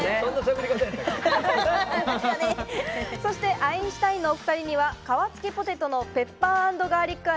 アインシュタインのお２人には皮付きポテトのペッパー＆ガーリック味